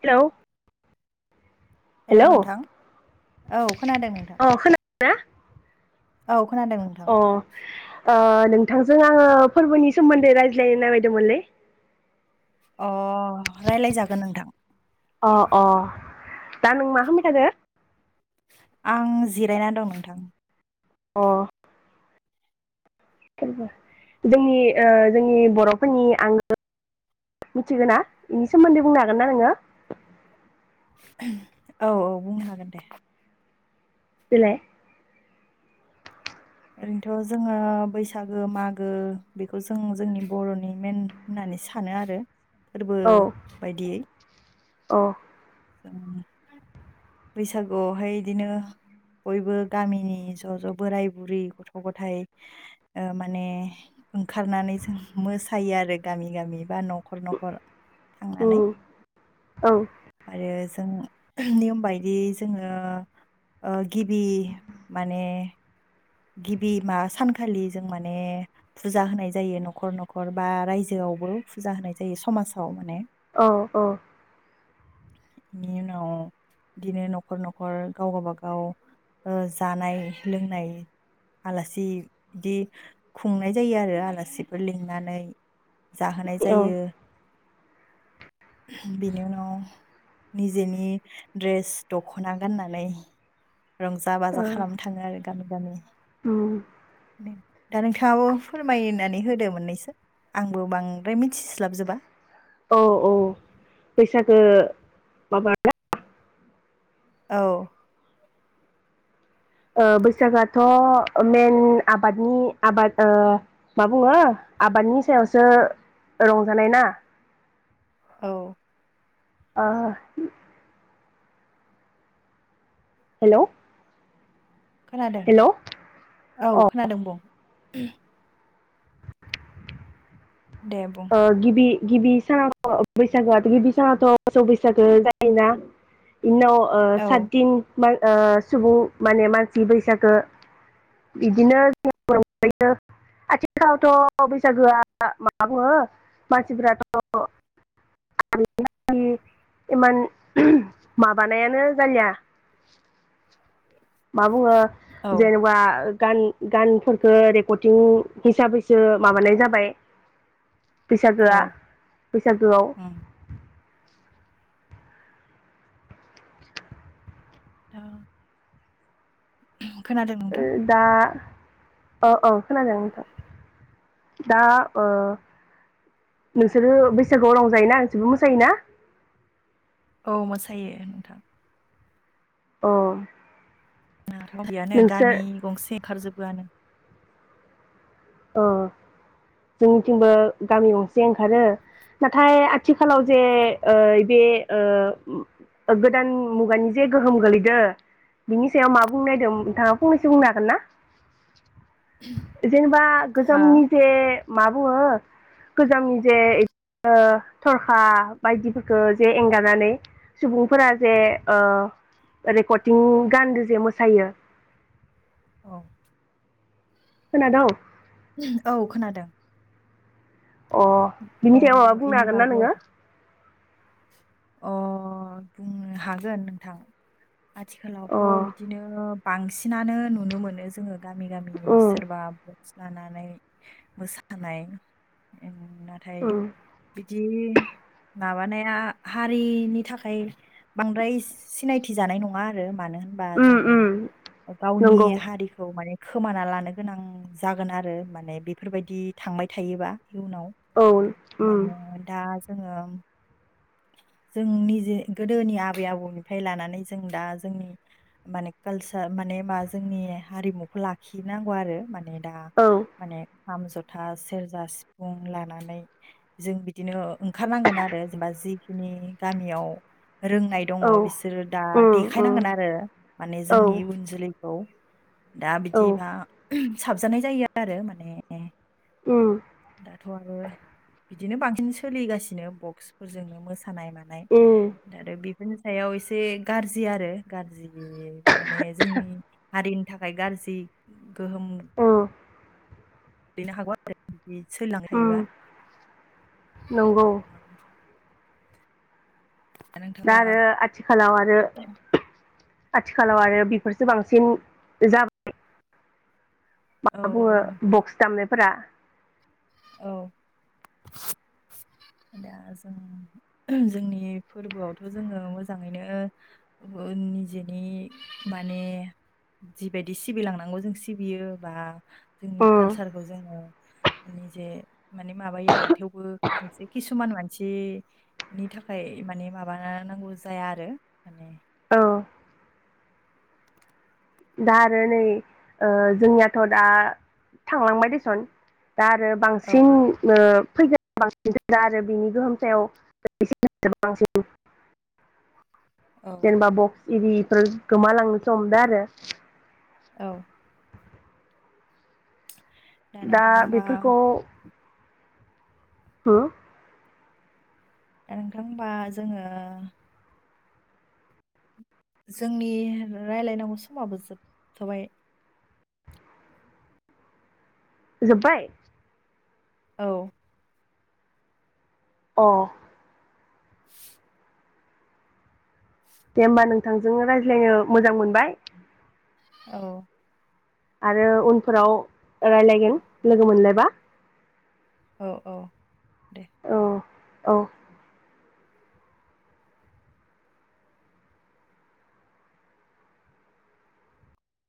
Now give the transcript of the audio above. Hello hello नोंथां औ खोनादों नोंथां अ खोनादों ना औ खोनादों नोंथां अ ओ नों थांजों आङो फोरबोनि सोमोन्दै रायज्लायनो नामायदोंमोनलै अ रायलाय जागोन नोंथां अ अ दा नों मा खामबाय थादो? आं जिरायना दं नोंथां अ फोरबो जोंनि ओ जोंनि बर'फोरनि आंगो मिथिगौ ना बेनि सोमोन्दै बुंनो हागोन ना नोङो? औ औ बुंनो हागोन दे। देलाय ओरैनोथ' जोङो बैसागु मागो बेखौ जों-जोंनि बर'नि मेन होननानै सानो आरो। फोरबो बायदियै अ [inaudible] बैसागुआवहाय इदिनो बयबो गामिनि ज' ज' बोराय बुरै गथ' गथायाइ ओ माने ओंखारनानै जों मोसायो आरो गामि- गामि बा न'खर-न'खर थांनानै उम औ आरो जों नियम बाय दि जोङो ओ गिबि माने गिबि मा सानखालि जों माने फुजा होनाय जायो न'खर- न'खर बा रायजोआवबो फुजा होनाय जायो समाजाव माने औ औ बेनि उनाव बिदिनो न'खर-न'खर गावबा गाव जानाय लोंनाय आलासि बिदि खुंनाय जायो आरो आलासिफोर लिंनानै जाहोनाय औ ओ जायो बेनि उनाव निजेनि ड्रेस दखना गाननानै रंजा बाजा खालामनो थाङो आरो। गामि-गामि उम दा नोंथाङाबो फोरमायनानै होदो मोननैसो आंबो बांद्राय मि औ - औ बैसागो बाब [unintelligible] औ अ बैसागुआथ' मेन आबादनि आबाद ओ मा बुङो आबादनि सायावसो रंजानाय ना औ ओ हेलौ खोनादों हेलौ औ अ खोनादों बुं दे बुं ओ गिबि गिबि सानाव बैसागोआथ गिबि सानावथ मोसौ बैसागो जायोना इनि उनाव औ साददिन ओ सुबुं माने मानसि बैसागो बिदिनो [unintelligible] आथिखालावथ बैसागोआ मा बुङो मानसिफोराथ इमान माबानायानो जालिया मा बुङो औ जेनेबा गान गानफोरखौ रेकरतिं हिसाबैसो माबानाय जाबाय बैसागोआ औ बैसागोआव उम दा खोनादों ओ नोंथां दा ओ-ओ खोनादों नोंथां दा ओ नोंसोरो बैसागुआव रंजायोना नोंसोरबो मोसायोना औ मोसायो नोंथां अ गैयानो नोंसोर गामि गंसे ओंखारजोब बोआनो ओ जोंनिथिंबो गामि गंसे ओंखारो नाथाय आथिखालाव जे ओइ बे ओ गोदान मुगानि जे गोहोम गोलैदों बिनि सायाव मा बुंनो नागिरदों नोंथाङा फंनैसो बुंनो हागोन ना जेनेबा हा गोजामनि जे मा बुङो गोजामनि जे इदिनो थरखा बायदिफोरखौ जे एंगारनानै सुबुंफोरा जे ओ रेकतिं गानदो जे मोसायो औ खोनादों औ खोनादों अ अ बिनि सायाव माबा बुंनो इनि हागोन ना बागै नोङो? अ बुंनो हागोन नोंथां अ आथिखालावथ उम बिदिनो बांसिनानो नुनो मोनो जोङो गामि गामि सोरबा लानानै मोसानाय ओं नाथाय उम बिदि माबानाया हारिनि थाखाय बांद्राय सिनायथि जानाय नङा आरो मानो होनबा उम उम जोङो गावनि नंगौ हारिखौ माने खोमाना लानो गोनां जागोन आरो माने बेफोरबायदि थांबाय थायोबा इयुनाव औ उम माने दा जोङो जों निजे गोदोनि आबै आबौनिफ्राय लानानै जों दा जोंनि माने कालसार माने मा जोंनि हारिमुखौ लाखिनांगौ आरो माने दा औ माने खाम जथा सेरजा सिफुं लानानै जों बिदिनो ओंखारनांगोन आरो जेनेबा जि खिनि गामियाव रोंनाय दङ औ बिसोरो दा उम उम देखायनांगोन आरो माने औ जोंनि उन जोलै खौ दा बिदिबा साबजानाय जायो आरो माने उम दाथ आरो बिदिनो बांसिन सोलिगासिनो बक्सफोरजोंनो मो सानाय मानाय उम आरो बि फोरनि सायाव एसे गारजि आरो गारजि नुयो माने जोंनि हारि थाखाय गारजि गोहोम गोलैनो हागौ आरो बि सोलि लांबाय उम थायोबा नंगौ दा आरो आथिखालाव आरो आथिखालाव आरो बेफोरसो बांसिन जाबाय औ मा बुङो नोंथां बक्स दामनायफोरा औ दा जों जोंनि फोरबोआवथ जोङो मोजाङैनो निजिनि माने जिबायदि सिबिलांनांगौ जों सिबियो बा जोंनि उम कालचारखौ जोङो निजे माने माबायो आरो थेवबो खायसे किसुमान मानसिनि थाखाय माने माबा नांगौ जाया आरो माने औ दा आरो नै ओ जोंनियाथ दा थांलांबाय देसन दा आरो औ बांसिन ओ फैगोन बांसिन दा आरो बिनि गोहोम सायाव बांसिन औ [inaudible] जेनबा बक्स इदि इफोर गोमालांनोसो हमदो आरो औ दा नोंथां होमबा बेफोरखौ होम दे नोंथां ओमबा जोङो जोंनि रायलायनांगौ समाबो जोबथबाय जोब्बाय औ अ [unintelligible] दे होमबा नोंथांजोंनो रायज्लायनो मोजां मोनबाय औ आरो उनफोराव रायलायगोन लोगो मोनलायबा औ औ दे औ औ